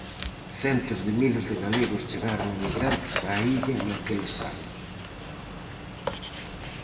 Centos de miles de galegos chegaron emigrantes á illa naqueles anos.